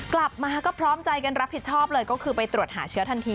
กลับมาก็พร้อมใจกันรับผิดชอบเลยก็คือไปตรวจหาเชื้อทันที